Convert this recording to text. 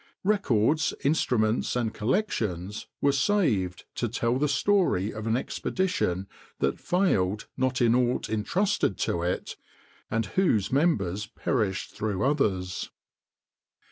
Records, instruments, and collections were saved to tell the story of an expedition that failed not in aught intrusted to it, and whose members perished through others.